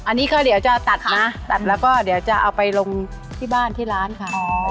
อันนี้ก็เดี๋ยวจะตัดนะตัดแล้วก็เดี๋ยวจะเอาไปลงที่บ้านที่ร้านค่ะ